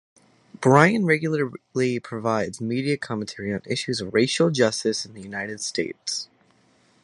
Bryan regularly provides media commentary on issues of racial justice in the United States.